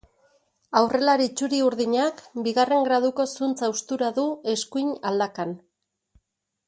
Aurrelari txuri-urdinak bigarren graduko zuntz haustura du eskuin aldakan.